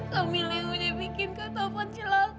kamil yang punya bikin kata kata penjelah kak